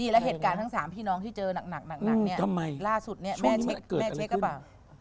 แล้วเหตุการณ์ทั้ง๓พี่น้องที่เจอนักล่าสุดเนี่ยแม่เช็คก็เปล่า